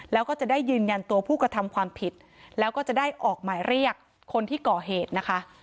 แล้วก็จะได้ยืนยันตัวผู้กระทำความผิดแล้วก็จะได้ออกหมายเรียกคนที่ก่อเหตุนะคะ